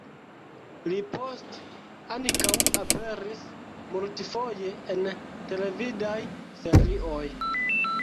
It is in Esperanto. Li poste ankaŭ aperis multfoje en televidaj serioj.